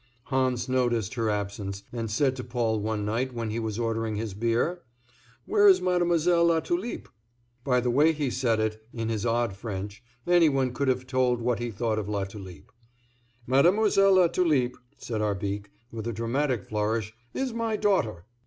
Hans noticed her absence, and said to Paul one night when he was ordering his beer: "Where is Mademoiselle Latulipe?" By the way he said it, in his odd French, any one could have told what he thought of Latulipe. "Mademoiselle Latulipe," said Arbique, with a dramatic flourish, "is my daughter."